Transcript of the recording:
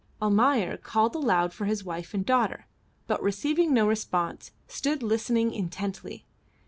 Almayer called aloud for his wife and daughter, but receiving no response, stood listening intently.